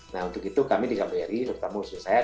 nah untuk itu kami dikaberi serta musuh saya